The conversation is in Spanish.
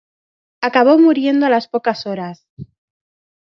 Acabó muriendo a las pocas horas.